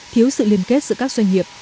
thiếu sự liên kết giữa các doanh nghiệp